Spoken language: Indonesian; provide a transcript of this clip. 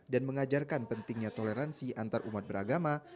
dan mengajarkan pentingnya toleransi antar umat beragama